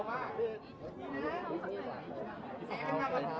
ไม่ได้หยัดแล้วนะ